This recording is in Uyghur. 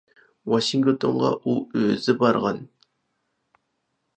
ۋاشىنگتونغا ئۇ ئۆزى بارغان.